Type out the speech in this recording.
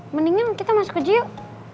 mendingan kita masuk keji yuk